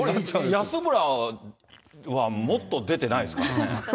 安村はもっと出てないですからね。